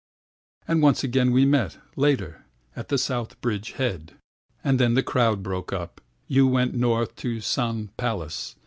And once again we met, later, at the South Bridge head. And then the crowd broke up—you went north to San palace.